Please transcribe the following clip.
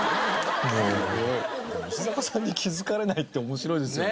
石坂さんに気づかれないって面白いですよね。